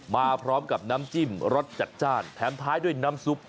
มาพร้อมกับน้ำจิ้มรสจัดจ้านแถมท้ายด้วยน้ำซุป